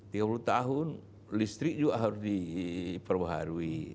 tiga puluh tahun listrik juga harus diperbaharui